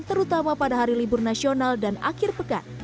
terutama pada hari libur nasional dan akhir pekan